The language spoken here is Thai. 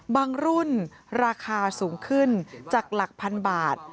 รุ่นราคาสูงขึ้นจากหลักพันบาท